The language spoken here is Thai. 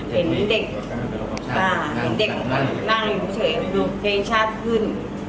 เห็นเด็กนั่งอย่างผู้เฉยดูเพชรชาติขึ้น